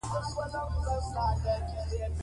نواب له ابدالي سره خپل مسایل حل کړي.